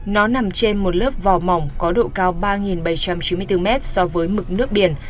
nó nằm trên một lớp vò mỏng có độ cao ba bảy trăm chín mươi bốn mét so với mực nước biển